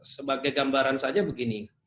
sebagai gambaran saja begini